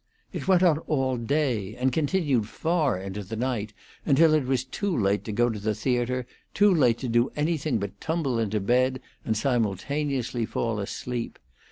It went on all day, and continued far into the night, until it was too late to go to the theatre, too late to do anything but tumble into bed and simultaneously fall asleep.